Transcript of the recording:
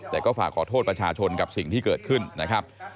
แต่ก็ฝากขอโทษประชาชนกับสิ่งที่เกิดขึ้นนะครับ